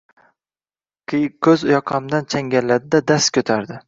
Qiyiqkoʻz yoqamdan changalladi-da, dast koʻtardi: